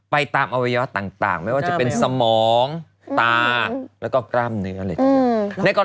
ตามอวัยวะต่างไม่ว่าจะเป็นสมองตาแล้วก็กล้ามเนื้ออะไรต่าง